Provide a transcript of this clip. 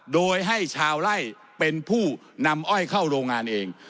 โดยให้ชาวไล่เป็นผู้นำอ้อยเข้าโรงงานเอง